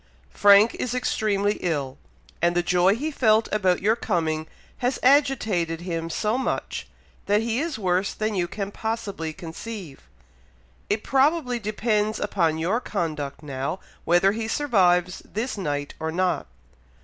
Frank is extremely ill; and the joy he felt about your coming, has agitated him so much, that he is worse than you can possibly conceive. It probably depends upon your conduct now, whether he survives this night or not.